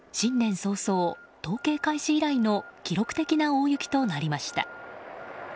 早々、統計開始以来の記録的な大雪となりました。